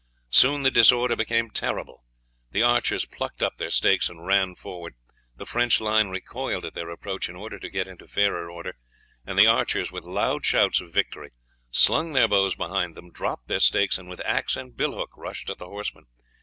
Soon the disorder became terrible. The archers plucked up their stakes and ran forward; the French line recoiled at their approach in order to get into fairer order; and the archers, with loud shouts of victory, slung their bows behind them, dropped the stakes, and with axe and bill hook rushed at the horsemen.